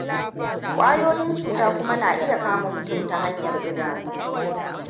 Kwayoyin cuta kuma na iya kama mutum ta hanyar idanu.